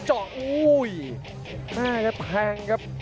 โอ้โหหน้ากระแพงครับ